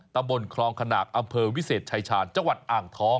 ตำบลคลองขนากอำเภอวิเศษชายชาญจังหวัดอ่างท้อง